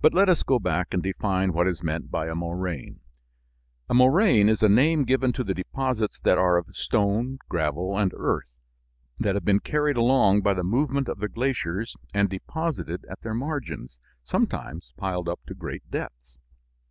But let us go back and define what is meant by a moraine. A moraine is a name given to the deposits that are of stone, gravel, and earth that have been carried along by the movement of the glaciers and deposited at their margins, sometimes piled up to great depths.